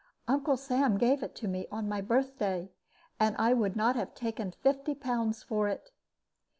Uncle Sam gave it to me on my birthday, and I would not have taken 50 pounds for it.